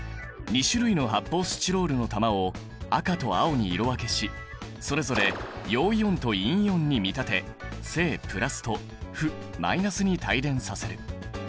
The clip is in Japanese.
２種類の発泡スチロールの玉を赤と青に色分けしそれぞれ陽イオンと陰イオンに見立て正・プラスと負・マイナスに帯電させる。